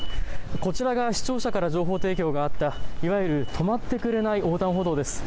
こちらが視聴者から情報提供があった、いわゆる止まってくれない横断歩道です。